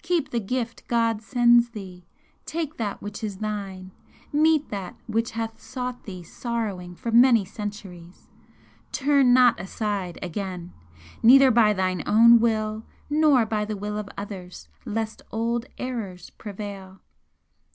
Keep the gift God sends thee! take that which is thine! meet that which hath sought thee sorrowing for many centuries! Turn not aside again, neither by thine own will nor by the will of others, lest old errors prevail.